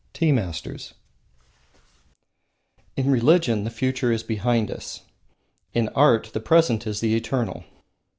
Tea Masters In religion the Future is behind us. In art the present is the eternal.